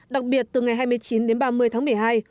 đặc biệt từ ngày hai mươi chín đến ba mươi tháng một mươi hai